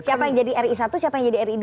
siapa yang jadi ri satu siapa yang jadi ri dua